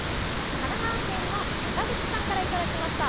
神奈川県の坂口さんからいただきました。